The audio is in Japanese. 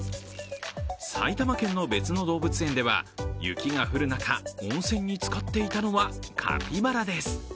埼玉県の別の動物園では雪が降る中、温泉に浸かっていたのはカピバラです。